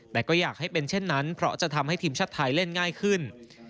แต่ก็อยากให้เป็นเช่นนั้นเพราะจะทำให้ทีมชาติไทยเล่นง่ายขึ้น